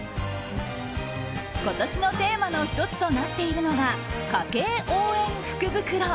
今年のテーマの１つとなっているのが家計応援福袋。